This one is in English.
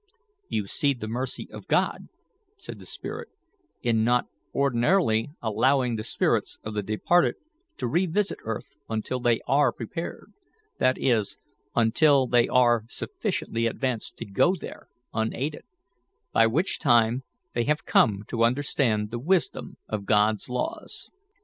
"You see the mercy of God," said the spirit, "in not ordinarily allowing the spirits of the departed to revisit earth until they are prepared that is, until they are sufficiently advanced to go there unaided by which time they have come to understand the wisdom of God's laws.